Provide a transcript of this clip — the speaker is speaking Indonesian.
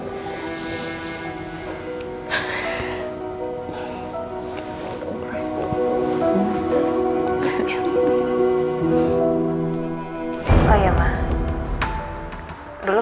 dan yang sekali diceritain